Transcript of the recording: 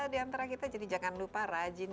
diantara kita jadi jangan lupa rajin